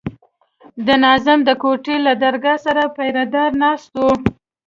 د ناظم د کوټې له درګاه سره پيره دار ناست وي.